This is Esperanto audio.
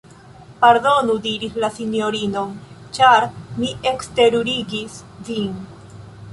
Pardonu! diris la sinjorino, ĉar mi ekterurigis vin.